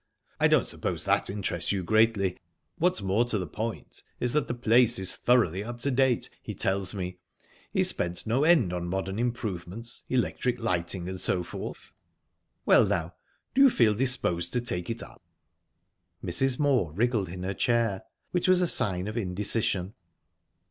I don't suppose that interests you greatly; what's more to the point is that the place is thoroughly up to date, he tells me. He's spent no end on modern improvements electric lighting, and so forth...Well now, do you feel disposed to take it up?" Mrs. Moor wriggled in her chair, which was a sign of indecision.